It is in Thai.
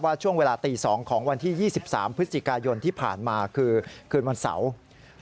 ช่วงเวลาตี๒ของวันที่๒๓พฤศจิกายนที่ผ่านมาคือคืนวันเสาร์